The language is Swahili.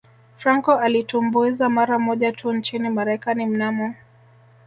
Franco alitumbuiza mara moja tu nchini Marekani mnamo